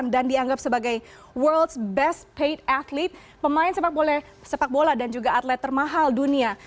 dan dianggap sebagai world's best paid athlete pemain sepak bola dan juga atlet termahal dunia